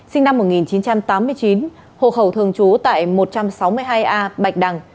sinh năm một nghìn chín trăm tám mươi chín hộ khẩu thường trú tại một trăm sáu mươi hai a bạch đằng